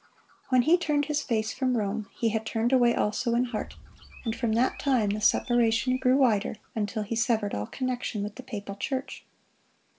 When he turned his face from Rome, he had turned away also in heart, and from that time the separation grew wider, until he severed all connection with the papal church.